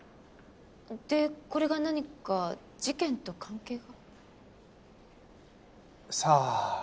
でこれが何か事件と関係が？さあ。